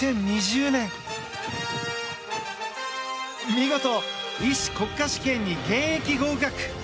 ２０２０年見事、医師国家試験に現役合格。